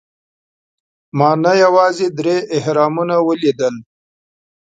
ما نه یوازې درې اهرامونه ولیدل.